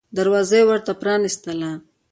دروازه یې ورته پرانیستله.